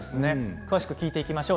詳しく聞いていきましょう。